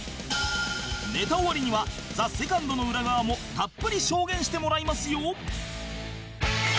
ネタ終わりには ＴＨＥＳＥＣＯＮＤ の裏側もたっぷり証言してもらいますよ！